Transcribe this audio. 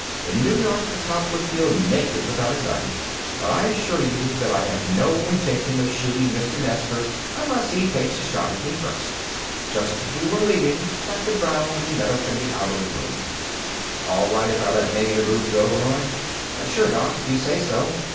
"In New York, a cop would feel naked without a gun. But I assure you that I have no intention of shooting Mr. Nestor unless he takes a shot at me first." Just as we were leaving, Dr. Brownlee met us in the outer room. "All right if I let Manny the Moog go, Roy?" "Sure, Doc; if you say so."